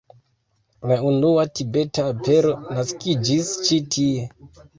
La unua tibeta opero naskiĝis ĉi tie.